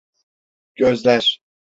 Gözler.